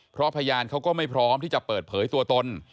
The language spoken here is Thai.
เพราะพยานเขาก็ไม่พร้อมที่จะเปิดเผยตัวตน